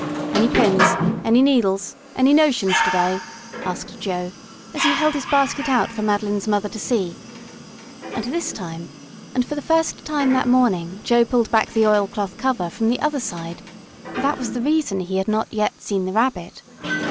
"Any pins? Any needles? Any notions to day?" asked Joe, as he held his basket out for Madeline's mother to see. And this time, and for the first time that morning, Joe pulled back the oilcloth cover from the other side. That was the reason he had not yet seen the Rabbit.